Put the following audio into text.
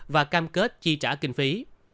và được chi trả kinh phí